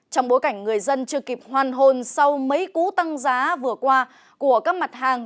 trong bối cảnh người dân chưa kịp hoàn hồn sau mấy cú tăng giá vừa qua của các mặt hàng